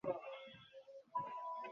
তোমাকে কীভাবে সাহায্য করতে পারি?